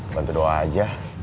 bantu doa aja